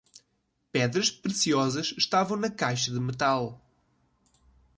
Pedras preciosas estavam na caixa de metal.